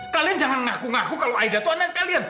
kalian jangan ngaku ngaku kalau aida itu anda kalian